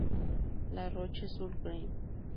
La Roche-sur-Grane